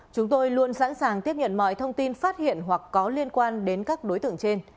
chúng tôi luôn sẵn sàng tiếp nhận mọi thông tin phát hiện hoặc có liên quan đến các đối tượng trên